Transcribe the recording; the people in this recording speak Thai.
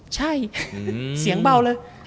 ใช่เสียงเบาเลย